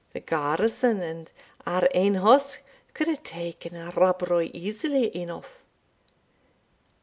The garrison and our ain horse could hae taen Rob Roy easily enough.